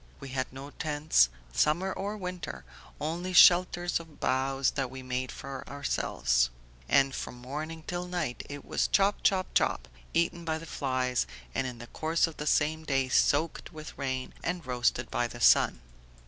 We had no tents, summer or winter, only shelters of boughs that we made for ourselves. And from morning till night it was chop, chop, chop, eaten by the flies, and in the course of the same day soaked with rain and roasted by the sun."